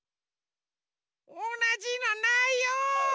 おなじのないよ！